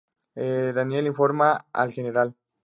Daniel informa al Gral.